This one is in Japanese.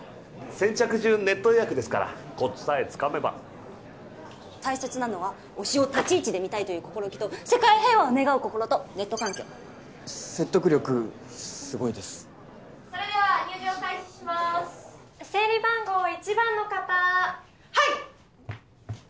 先着順ネット予約ですからコツさえつかめば大切なのは推しを立ち位置で見たいという心意気と世界平和を願う心とネット環境説得力すごいですそれでは入場開始しまーす整理番号１番の方はい！